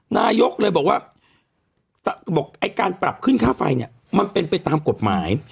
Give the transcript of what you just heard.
นายกเลยบอกว่าบอกไอ้การปรับขึ้นค่าไฟเนี่ยมันเป็นไปตามกฎหมาย